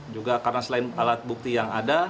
juga karena selain alat bukti yang ada